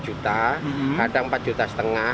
satu juta kadang empat juta setengah